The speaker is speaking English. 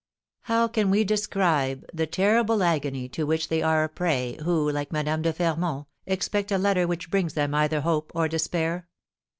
How can we describe the terrible agony to which they are a prey who, like Madame de Fermont, expect a letter which brings them either hope or despair?